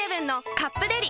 「カップデリ」